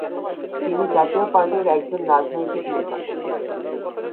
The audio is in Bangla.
তিনি জাতীয় পার্টি ’র একজন রাজনৈতিক নেতা।